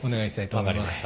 分かりました。